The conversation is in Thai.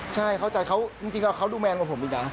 ใช่เข้าใจเขาจริงเขาดูแมนกว่าผมอีกนะ